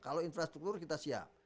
kalau infrastruktur kita siap